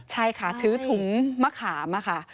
ใช่ค่ะถือถุงมะขามค่ะ